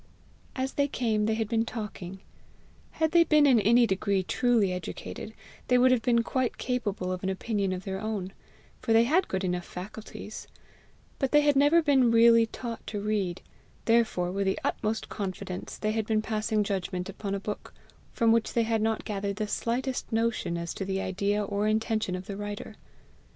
As they came, they had been talking. Had they been in any degree truly educated, they would have been quite capable of an opinion of their own, for they had good enough faculties; but they had never been really taught to read; therefore, with the utmost confidence, they had been passing judgment upon a book from which they had not gathered the slightest notion as to the idea or intention of the writer.